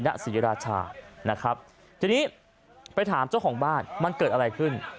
ณศรีราชานะครับทีนี้ไปถามเจ้าของบ้านมันเกิดอะไรขึ้น